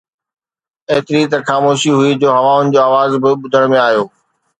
ايتري ته خاموشي هئي جو هوائن جو آواز به ٻڌڻ ۾ آيو